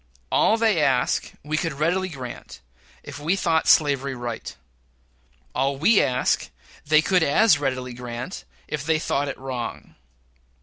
All they ask we could readily grant if we thought slavery right; all we ask they could as readily grant, if they thought it wrong.